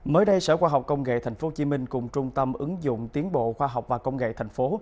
mới đây sở khoa học công nghệ tp hcm cùng trung tâm ứng dụng tiến bộ khoa học và công nghệ tp hcm